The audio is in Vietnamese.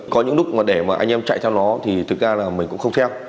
có những lúc mà để mà anh em chạy theo nó thì thực ra là mình cũng không theo